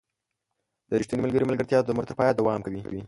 • د ریښتوني ملګري ملګرتیا د عمر تر پایه دوام کوي.